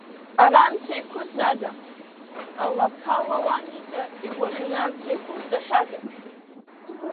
Ара амца еиқәызҵада, Ала-ԥа Лауан ида игәаӷьны амца еиқәызҵахьада?